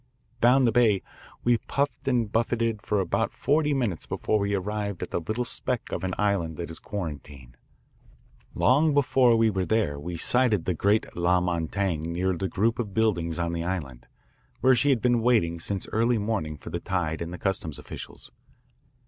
Down the bay we puffed and buffeted for about forty minutes before we arrived at the little speck of an island that is Quarantine. Long before we were there we sighted the great La Montaigne near the group of buildings on the island, where she had been waiting since early morning for the tide and the customs officials.